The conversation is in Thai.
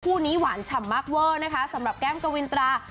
คู่นี้หวานฉ่ำมากเวอร์นะคะสำหรับแก้มกวินตรา